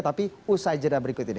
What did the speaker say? tapi usai jeda berikut ini